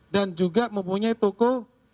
dan juga mempunyai toko